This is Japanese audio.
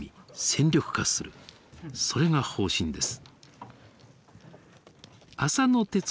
それが方針です。